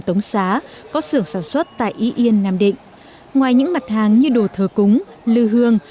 tống xá có sưởng sản xuất tại y yên nam định ngoài những mặt hàng như đồ thờ cúng lư hương